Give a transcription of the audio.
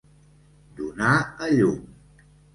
Donar a llum.